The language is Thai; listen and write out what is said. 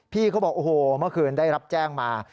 เขาบอกโอ้โหเมื่อคืนได้รับแจ้งมา